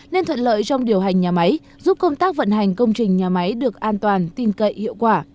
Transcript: nên thuận lợi trong điều hành nhà máy giúp công tác vận hành công trình nhà máy được an toàn tin cậy hiệu quả